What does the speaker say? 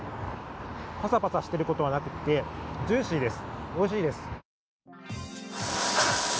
パサパサしていることはなくて、ジューシーです、おいしいです。